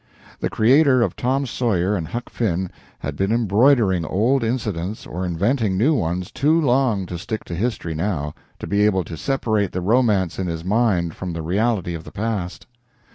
The creator of Tom Sawyer and Huck Finn had been embroidering old incidents or inventing new ones too long to stick to history now, to be able to separate the romance in his mind from the reality of the past.